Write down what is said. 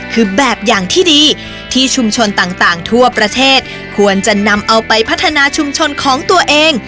คือแบบอย่างที่ดีที่ชุมชนต่างทั่วประเทศควรจะนำเอาไปพัฒนาชุมชนของตัวเอง